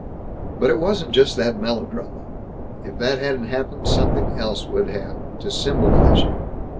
But it wasn't just that melodrama. If that hadn't happened, something else would have, to symbolize you.